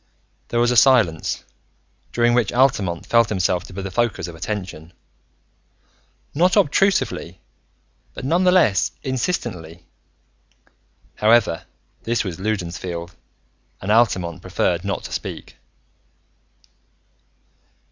There was a silence during which Altamont felt himself to be the focus of attention; not obtrusively, but, nonetheless, insistently. However, this was Loudon's field and Altamont preferred not to speak.